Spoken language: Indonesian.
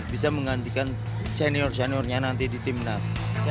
bisa menggantikan senior seniornya nanti di tim nasional